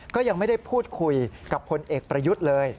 ก็ยังไม่ได้พูดคุยกับพลเอกประยุทธ์เลย